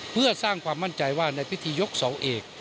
เพื่อสร้างความมั่นใจว่าในพิธียกเสาเอก